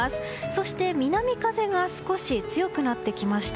そして南風が少し強くなってきました。